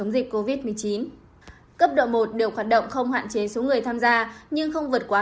dịch covid một mươi chín cấp độ một đều hoạt động không hạn chế số người tham gia nhưng không vượt quá